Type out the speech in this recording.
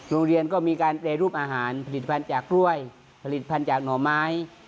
โรงเรียนก็มีการแปรรูปอาหารผลิตภัณฑ์จากกล้วยผลิตภัณฑ์จากหน่อไม้